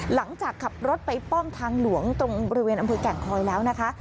หลังจากขับรถไปป้อมทางหลวงตรงบริเวณอำเภอแก่งคอยแล้วนะคะ